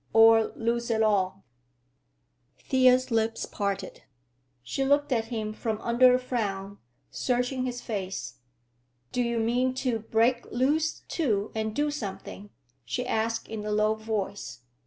or lose it all." Thea's lips parted; she looked at him from under a frown, searching his face. "Do you mean to break loose, too, and—do something?" she asked in a low voice.